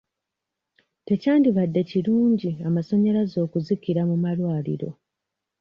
Tekyandibadde kirungi amasannyalaze okuzikira mu malwaliro.